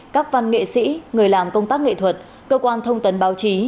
các văn nghệ sĩ người làm công tác nghệ thuật cơ quan thông tấn báo chí